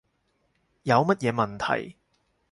有乜嘢問題